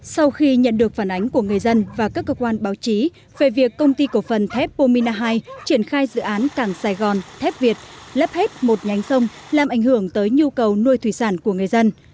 sau khi nhận được phản ánh của người dân và các cơ quan báo chí về việc công ty cổ phần thép pomina hai triển khai dự án cảng sài gòn thép việt lấp hết một nhánh sông làm ảnh hưởng tới nhu cầu nuôi thủy sản của người dân